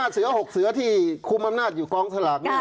เสือ๖เสือที่คุมอำนาจอยู่กองสลาก